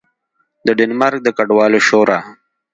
د ډنمارک د کډوالو شورا